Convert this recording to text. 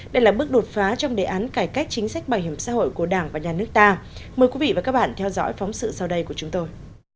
đây là bước đột phá trong đề án cải cách chính sách bảo hiểm xã hội của đảng và nhà nước ta mời quý vị và các bạn theo dõi phóng sự sau đây của chúng tôi